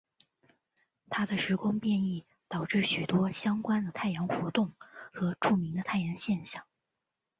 他的时空变异导致许多相关的太阳活动和著名的太阳现象。